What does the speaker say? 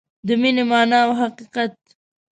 د مینې مانا او حقیقت